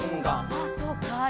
「あとから」